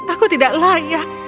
aku tidak layak